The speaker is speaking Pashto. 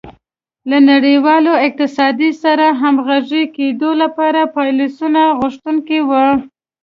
له نړیوال اقتصاد سره د همغږي کېدو لپاره پالیسیو غوښتونکې وه.